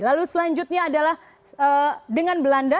lalu selanjutnya adalah dengan belanda